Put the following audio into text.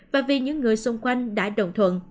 và vì những người xung quanh đã đồng thuận